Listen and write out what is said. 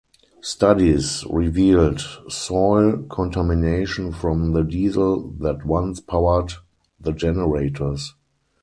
Studies revealed soil contamination from the diesel that once powered the generators.